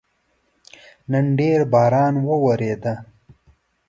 نن ډېر باران وورېده